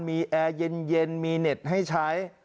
มีแอร์เย็นมีเน็ตให้ใช้